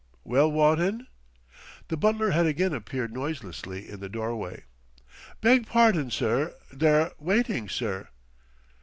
Well, Wotton?" The butler had again appeared noiselessly in the doorway. "Beg pardon, sir; they're waiting, sir."